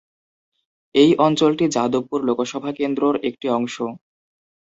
এই অঞ্চলটি যাদবপুর লোকসভা কেন্দ্রর একটি অংশ।